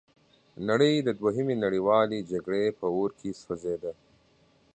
نړۍ د دوهمې نړیوالې جګړې په اور کې سوځیده.